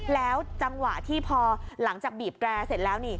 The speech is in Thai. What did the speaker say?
แล้วจังหวะที่พอหลังจากบีบแกร่เสร็จแล้วนี่